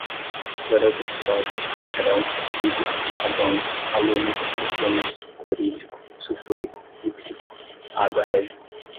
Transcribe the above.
cloreto de sódio, natrão, vidro, sabões, alume, curtumes, clorídrico, sulfúrico, nítrico, água régia